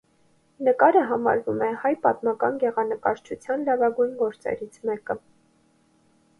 Նկարը համարվում է հայ պատմական գեղանկարչության լավագույն գործերից մեկը։